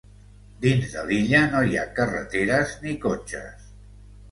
Dins de l'illa no hi ha carreteres ni cotxes.